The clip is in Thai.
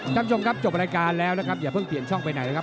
ท่านผู้ชมครับจบรายการแล้วนะครับอย่าเพิ่งเปลี่ยนช่องไปไหนนะครับ